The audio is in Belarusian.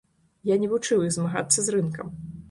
Я не вучыў іх змагацца з рынкам.